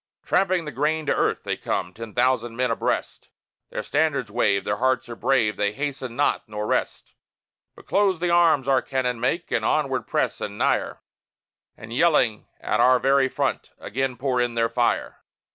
Tramping the grain to earth, they come, ten thousand men abreast; Their standards wave, their hearts are brave, they hasten not, nor rest, But close the gaps our cannon make, and onward press, and nigher, And, yelling at our very front, again pour in their fire!